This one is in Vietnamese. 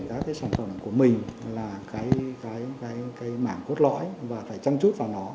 thì các sản phẩm của mình là cái mảng cốt lõi và phải trăng trút vào nó